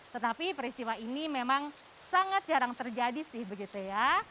tetapi peristiwa ini memang sangat jarang terjadi sih begitu ya